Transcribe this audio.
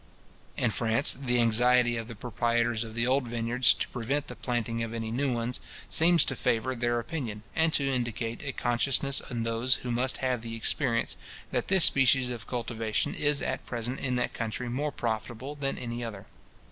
In France, the anxiety of the proprietors of the old vineyards to prevent the planting of any new ones, seems to favour their opinion, and to indicate a consciousness in those who must have the experience, that this species of cultivation is at present in that country more profitable than any other.